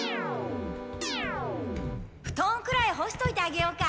ふとんくらいほしといてあげようか。